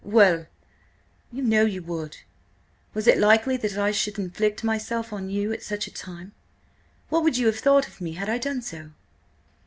"Well—" "You know you would. Was it likely that I should inflict myself on you at such a time? What would you have thought of me had I done so?"